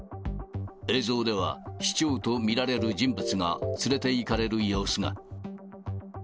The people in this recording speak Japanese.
映像では、市長と見られる人物が連れていかれる様子が。